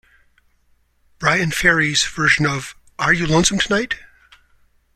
Bryan Ferry's version of Are You Lonesome Tonight?